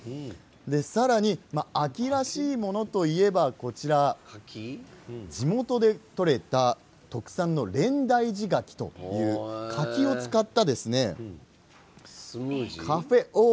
さらに秋らしいものといえばこちら、地元で取れた特産の蓮台寺柿という柿を使ったスムージー。